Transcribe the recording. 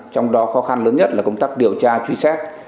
trong đó khó khăn lớn nhất là công tác điều tra truy xét